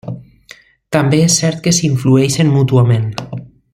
També és cert que s'influeixen mútuament.